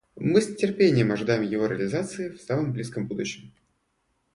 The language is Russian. Мы с нетерпением ожидаем его реализации в самом близком будущем.